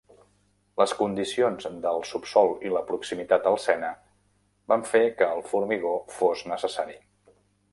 Les condicions del subsol i la proximitat al Sena van fer que el formigó fos necessari.